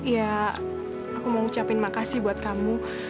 ya aku mau ngucapin makasih buat kamu